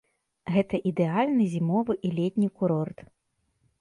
Гэта ідэальны зімовы і летні курорт.